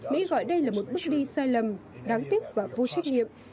mỹ gọi đây là một bước đi sai lầm đáng tiếc và vô trách nhiệm